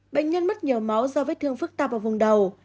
bệnh nhân mất nhiều máu do vết thương phức tạp ở vùng đầu